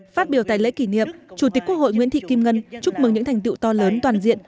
phát biểu tại lễ kỷ niệm chủ tịch quốc hội nguyễn thị kim ngân chúc mừng những thành tựu to lớn toàn diện